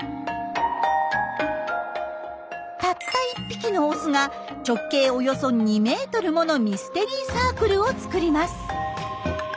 たった１匹のオスが直径およそ２ｍものミステリーサークルを作ります。